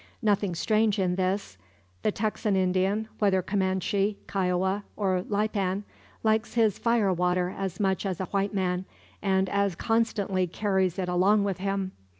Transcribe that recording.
Nothing strange in this. The Texan Indian, whether Comanche, Kiowa, or Lipan, likes his fire water as much as a white man, and as constantly carries it along with him.